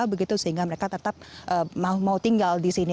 begitu sehingga mereka tetap mau tinggal di sini